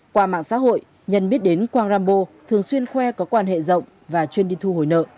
qua mạng xã hội nhân biết đến quang rambo thường xuyên khoe có quan hệ rộng và chuyên đi thu hồi nợ